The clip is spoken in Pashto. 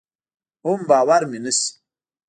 حم باور مې نشي.